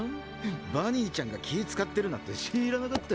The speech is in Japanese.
バニーちゃんが気ぃ使ってるなんて知らなかった。